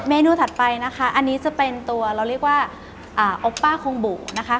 นูถัดไปนะคะอันนี้จะเป็นตัวเราเรียกว่าโอป้าคงบุนะคะ